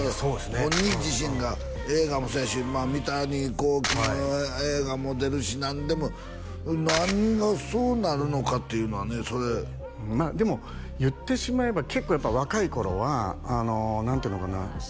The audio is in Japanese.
本人自身が映画もそうやし三谷幸喜の映画も出るし何でも何がそうなるのかっていうのはねでも言ってしまえば結構やっぱ若い頃は何ていうのかな